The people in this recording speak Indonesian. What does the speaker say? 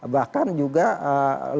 bahkan juga lebih besar dari